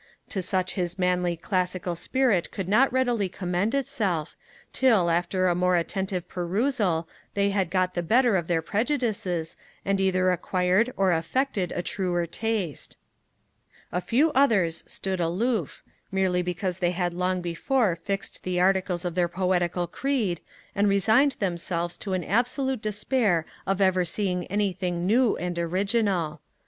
To such his manly classical spirit could not readily commend itself, till, after a more attentive perusal, they had got the better of their prejudices, and either acquired or affected a truer taste. A few others stood aloof, merely because they had long before fixed the articles of their poetical creed, and resigned themselves to an absolute despair of ever seeing anything new and original.